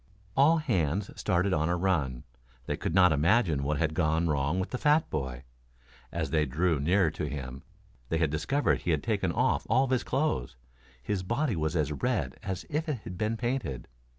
All hands started on a run. They could not imagine what had gone wrong with the fat boy. As they drew nearer to him they discovered that he had taken off all his clothes. His body was as red as if it had been painted.